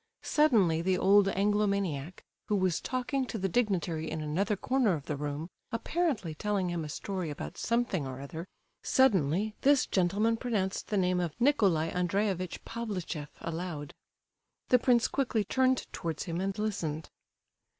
suddenly the old anglomaniac, who was talking to the dignitary in another corner of the room, apparently telling him a story about something or other—suddenly this gentleman pronounced the name of "Nicolai Andreevitch Pavlicheff" aloud. The prince quickly turned towards him, and listened.